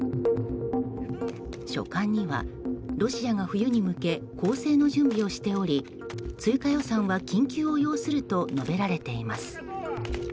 書簡にはロシアが冬に向け攻勢の準備をしており追加予算は緊急を要すると述べられています。